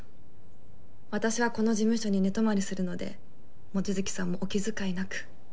私はこの事務所に寝泊まりするので望月さんもお気遣いなく。